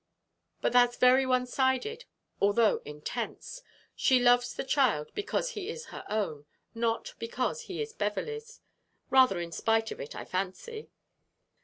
But that's very one sided, although intense. She loves the child because he is her own, not because he is Beverley's rather in spite of it, I fancy."